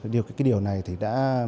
điều này đã